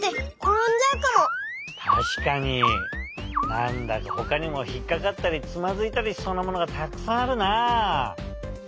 なんだかほかにもひっかかったりつまずいたりしそうなものがたくさんあるなあ。